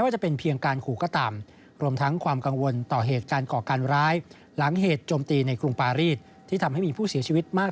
โดยโดยโดย